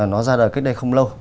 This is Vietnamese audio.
nó ra đời cách đây không lâu